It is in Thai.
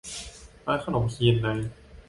ร้านขนมคลีนใน